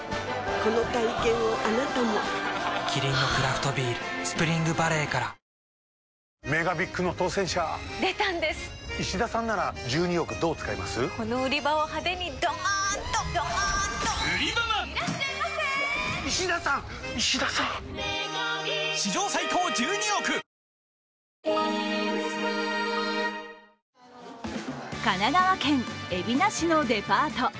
この体験をあなたもキリンのクラフトビール「スプリングバレー」から神奈川県海老名市のデパート。